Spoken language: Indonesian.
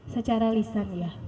secara lisan ya